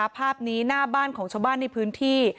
ภาพนี้หน้าบ้านของชาวบ้านในพื้นที่